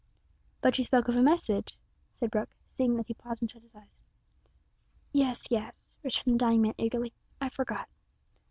"But you spoke of a message," said Brooke, seeing that he paused and shut his eyes. "Yes, yes," returned the dying man eagerly, "I forgot.